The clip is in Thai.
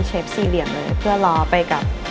เชฟสี่เหลี่ยมเลยเพื่อรอไปกับ